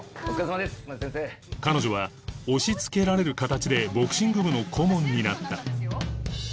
彼女は押しつけられる形でボクシング部の顧問になった